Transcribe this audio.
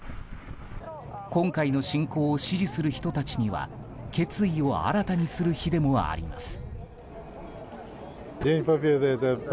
今回の侵攻を支持する人たちには決意を新たにする日でもあります。